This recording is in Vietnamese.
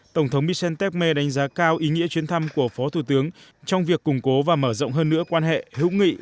tổng thống michel tecme đánh giá cao ý nghĩa chuyến thăm của phó thủ tướng trong việc củng cố và mở rộng hơn nữa quan hệ hữu nghị